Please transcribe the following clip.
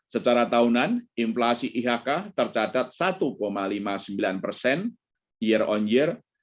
secara tahunan inflasi ihk tercatat satu lima puluh sembilan persen year on year